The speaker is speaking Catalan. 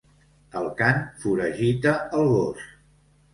El cant foragita el gos.